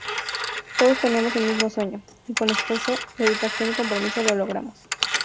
Todos teníamos el mismo sueño, y con esfuerzo, dedicación y compromiso lo logramos.